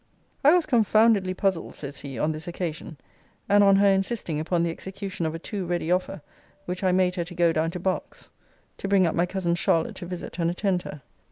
] I was confoundedly puzzled, says he, on this occasion, and on her insisting upon the execution of a too ready offer which I made her to go down to Berks, to bring up my cousin Charlotte to visit and attend her.